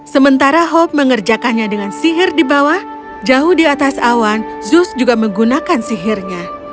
sementara hope mengerjakannya dengan sihir di bawah jauh di atas awan zus juga menggunakan sihirnya